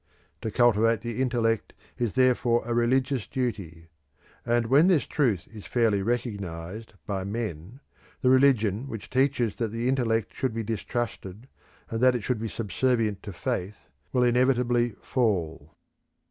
To cultivate the intellect is therefore a religious duty; and when this truth is fairly recognised by men, the religion which teaches that the intellect should be distrusted, and that it should be subservient to faith, will inevitably fall.